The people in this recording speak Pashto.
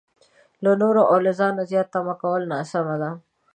له نورو او له ځانه زياته تمه کول ناسمه ده.